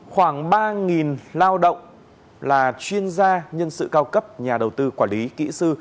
khoảng ba lao động là chuyên gia nhân sự cao cấp nhà đầu tư quản lý kỹ sư